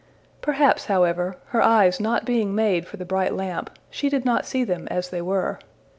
Perhaps, however, her eyes not being made for the bright lamp, she did not see them as they were!